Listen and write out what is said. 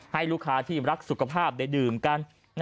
ให้ลูกค้าที่รักสุขภาพได้ดื่มกัน